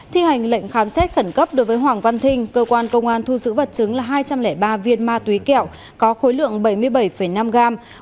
thi hành lệnh khám xét khẩn cấp đối với hoàng văn thinh cơ quan công an thu giữ vật chứng là hai trăm linh ba viên ma túy kẹo có khối lượng bảy mươi bảy năm gram